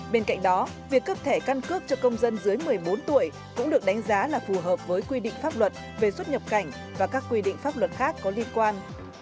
bên cạnh đó việc cấp thẻ căn cước cho công dân dưới một mươi bốn tuổi cũng được đánh giá là phù hợp với quy định pháp luật về xuất nhập cảnh và các quy định pháp luật khác có liên quan